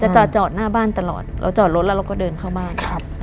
จอดหน้าบ้านตลอดเราจอดรถแล้วเราก็เดินเข้าบ้านครับ